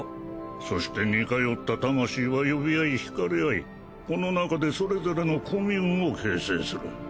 そして似通った魂は呼び合い引かれ合いこの中でそれぞれのコミューンを形成する。